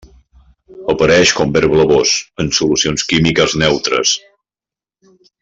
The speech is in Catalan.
Apareix com verd blavós en solucions químiques neutres.